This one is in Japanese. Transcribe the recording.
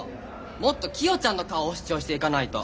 もっとキヨちゃんの顔を主張していかないと！